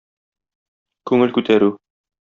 Күңел күтәрү.